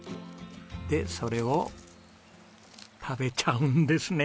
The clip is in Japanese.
でそれを食べちゃうんですね！？